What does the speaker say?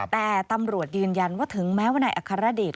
แต่ตำรวจยืนยันว่าถึงแม้ว่านายอัครเดช